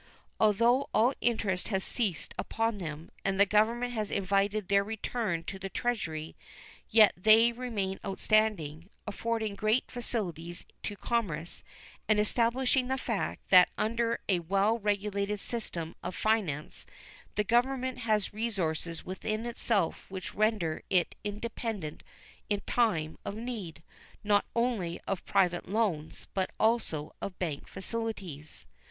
Although all interest has ceased upon them and the Government has invited their return to the Treasury, yet they remain outstanding, affording great facilities to commerce, and establishing the fact that under a well regulated system of finance the Government has resources within itself which render it independent in time of need, not only of private loans, but also of bank facilities.